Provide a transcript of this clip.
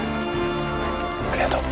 ありがとう。